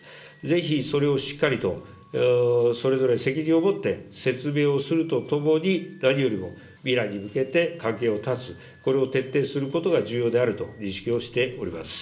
ぜひ、それをしっかりと、それぞれ責任をもって説明をするとともに、何よりも未来に向けて関係を断つ、これを徹底することが重要であると認識をしております。